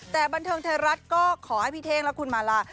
แต่บันเทิงไทยรัฐก็ขอให้พี่เท่งและคุณมาลา